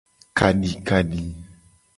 Kadikadi.